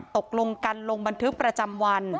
ตกลงกันลงบันทึกประจำวัน